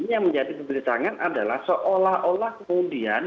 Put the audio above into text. yang menjadi pemberitangan adalah seolah olah kemudian